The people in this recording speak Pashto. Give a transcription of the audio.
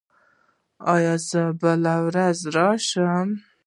ایا زه بله ورځ راشم؟